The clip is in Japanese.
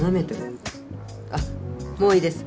あっもういいです。